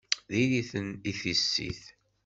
D iri-ten i tissit!